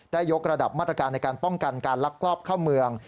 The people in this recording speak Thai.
ยกระดับมาตรการในการป้องกันการลักลอบเข้าเมือง